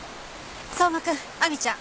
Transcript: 相馬君亜美ちゃん